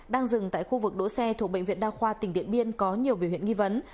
đang dừng tại khu vực đỗ xe thuộc bệnh viện đa khoa tỉnh điện biên có nhiều biểu hiện nghi vấn